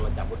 lo semua tuh